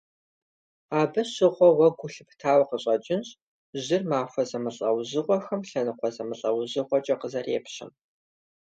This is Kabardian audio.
Абы щыгъуэ уэ гу лъыптауэ къыщӀэкӀынщ жьыр махуэ зэмылӀэужьыгъуэхэм лъэныкъуэ зэмылӀэужьыгъуэкӀэ къызэрепщэм.